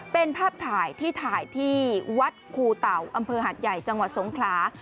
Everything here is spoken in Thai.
เป็นภาพถ่ายที่ถ่ายที่วัดครูเต่าอำเภอหัดใหญ่จังหวัดสงขลา